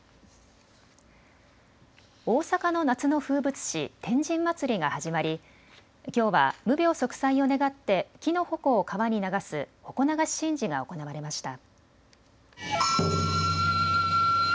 大阪の夏の風物詩、天神祭が始まりきょうは無病息災を願って木のほこを川に流す鉾流神事が行われました。